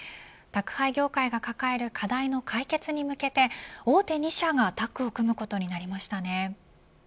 宅配業界が抱える課題の解決に向けて大手２社がタッグを組むことになりましたね。